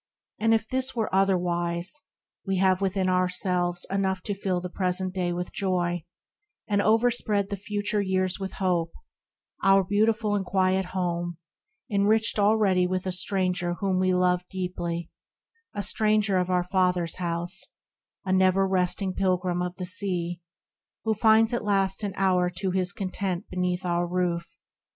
And if this Were otherwise, we have within ourselves Enough to fill the present day with joy, And overspread the future years with hope, Our beautiful and quiet home, enriched Already with a stranger whom we love Deeply, a stranger of our Father's house, A never resting Pilgrim of the Sea, Who finds at last an hour to his content Beneath our roof.